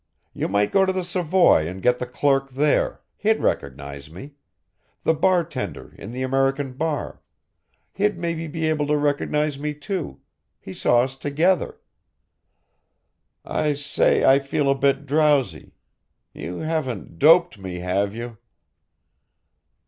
You might go to the Savoy and get the clerk there, he'd recognize me, the bar tender in the American bar, he'd maybe be able to recognise me too, he saw us together I say I feel a bit drowsy, you haven't doped me, have you?"